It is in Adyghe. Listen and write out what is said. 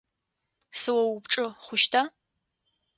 Сыоупчӏы хъущта?